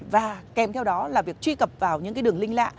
và kèm theo đó là việc truy cập vào những cái đường link lạ